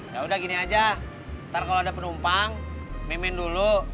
yaudah gini aja ntar kalo ada penumpang mimin dulu